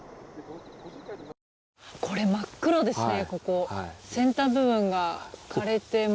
これ、真っ黒ですね。